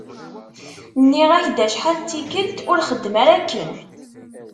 Nniɣ-ak-d acḥal d tikelt, ur xeddem ara akken.